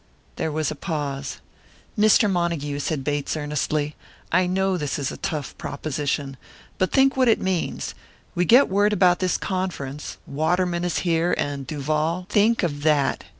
There was a pause. "Mr. Montague," said Bates, earnestly, "I know this is a tough proposition but think what it means. We get word about this conference. Waterman is here and Duval think of that!